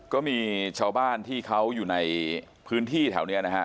ก็มีชาวบ้านที่เขาอยู่ในพื้นที่แถวนี้นะฮะ